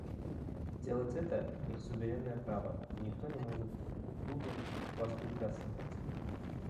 Делать это — их суверенное право, и никто не может тут им воспрепятствовать.